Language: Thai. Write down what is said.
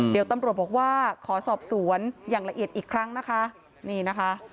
เดี๋ยวตำรวจบอกว่าขอสอบสวนอย่างละเอียดอีกครั้งนะคะนี่นะคะ